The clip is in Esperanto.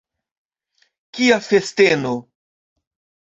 Kia festeno!